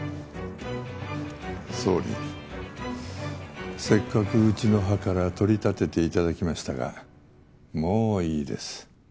総理せっかくうちの派から取り立てていただきましたがもういいです。